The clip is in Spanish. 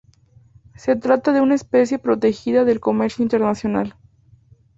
Se trata de una especie protegida del comercio internacional.